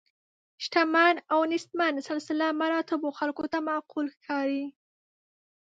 شتمن او نیستمن سلسله مراتبو خلکو ته معقول ښکاري.